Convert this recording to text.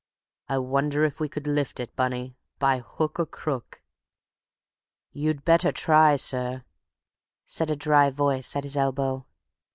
I wonder if we could lift it, Bunny, by hook or crook?" "You'd better try, sir," said a dry voice at his elbow.